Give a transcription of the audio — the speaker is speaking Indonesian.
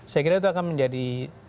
saya kira itu akan menjadi